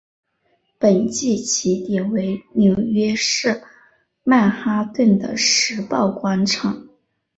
本季起点为纽约市曼哈顿的时报广场。